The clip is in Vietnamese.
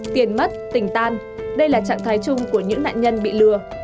tiền mất tỉnh tan đây là trạng thái chung của những nạn nhân bị lừa